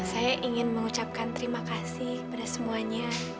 saya ingin mengucapkan terima kasih kepada semuanya